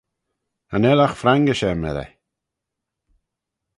Cha nel agh frangish aym, edyr.